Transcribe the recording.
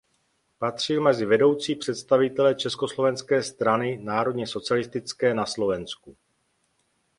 Patřil mezi vedoucí představitele Československé strany národně socialistické na Slovensku.